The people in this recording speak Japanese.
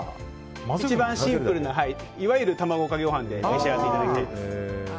一番シンプルないわゆる卵かけご飯で召し上がっていただきたいです。